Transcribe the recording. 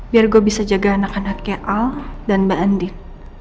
biar gue bisa jaga anak anaknya al dan mbak andin